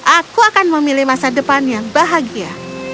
aku akan memilih masa depan yang bahagia